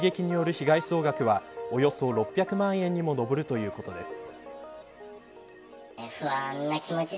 被害総額はおよそ６００万円にも上るということです。